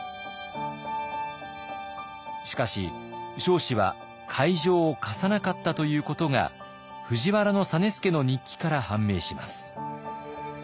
しかし彰子は会場を貸さなかったということが藤原実資の日記から判明します。